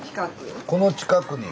この近く？